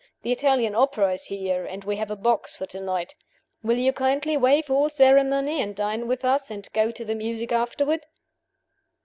The Italian opera is here, and we have a box for to night. Will you kindly waive all ceremony and dine with us and go to the music afterward?"